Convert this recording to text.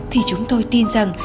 thì chúng tôi tin rằng